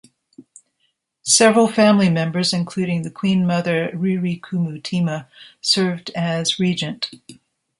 Several family members, including the Queen Mother Ririkumutima, served as regent.